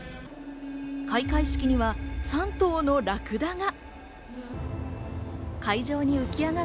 開会式には３頭のラクダが。